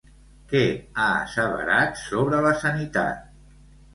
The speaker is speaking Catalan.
Què ha asseverat sobre la sanitat?